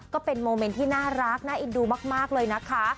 ก็เป็นโมเมนต์ที่น่ารักน่าเอ็นดูมากเลยนะคะ